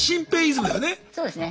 そうですね。